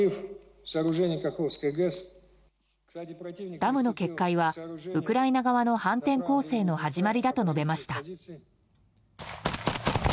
ダムの決壊はウクライナ側の反転攻勢の始まりだと述べました。